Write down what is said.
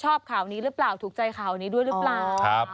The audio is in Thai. ข่าวนี้หรือเปล่าถูกใจข่าวนี้ด้วยหรือเปล่า